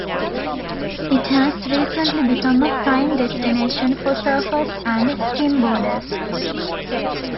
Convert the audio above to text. It has recently become a prime destination for surfers and skimboarders.